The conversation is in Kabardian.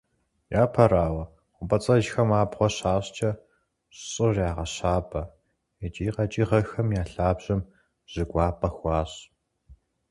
Япэрауэ, хъумпӏэцӏэджхэм абгъуэ щащӏкӏэ, щӏыр ягъэщабэ, икӏи къэкӏыгъэхэм я лъабжьэм жьы кӏуапӏэ хуащӏ.